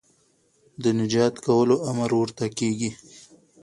د نجات کولو امر ورته کېږي